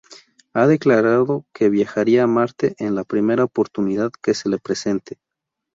Ha declarado que viajaría a Marte en la primera oportunidad que se le presente.